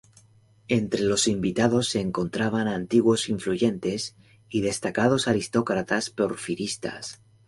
Entre los invitados se encontraban antiguos influyentes y destacados aristócratas porfiristas.